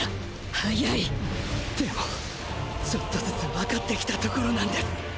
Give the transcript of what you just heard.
速い！でもちょっとずつわかってきたところなんです。